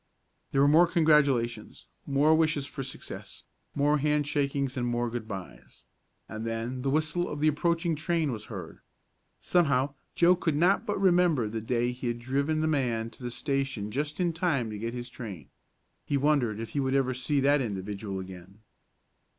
There were more congratulations, more wishes for success, more hand shakings and more good byes, and then the whistle of the approaching train was heard. Somehow Joe could not but remember the day he had driven the man to the station just in time to get his train. He wondered if he would ever see that individual again.